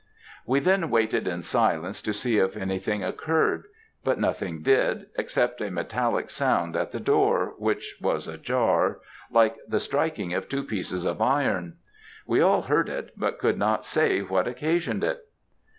"We then waited in silence to see if anything occurred; but nothing did, except a metallic sound at the door, which was ajar, like the striking of two pieces of iron. We all heard it, but could not say what occasioned it.